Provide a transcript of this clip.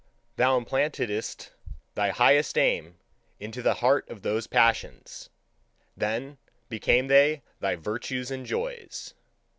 Thou implantedst thy highest aim into the heart of those passions: then became they thy virtues and joys.